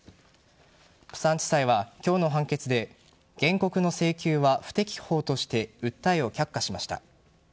釜山地裁は今日の判決で原告の請求は不適法として訴えを却下しました。